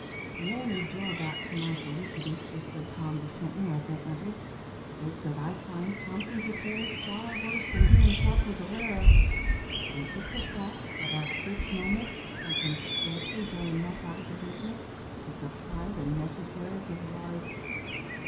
"The only drawback to my felicity," whispered Tom to Sinton, as they entered, "is that I find Thompson's affairs far worse than he himself was aware of; and it's a fact, that at this moment I can scarcely draw enough out of the business to supply the necessaries of life."